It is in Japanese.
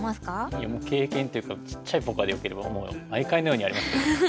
いやもう経験っていうかちっちゃいポカでよければ毎回のようにありますよね。